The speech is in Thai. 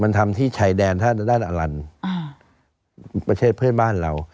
มันทำที่ชายแดนด้านอลันประเทศเพื่อนบ้านเรา